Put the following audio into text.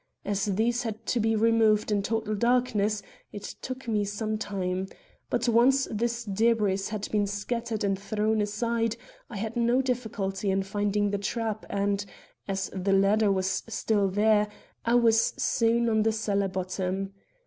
As these had to be removed in total darkness, it took me some time. But once this debris had been scattered and thrown aside, I had no difficulty in finding the trap and, as the ladder was still there, I was soon on the cellar bottom.